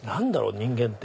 人間って。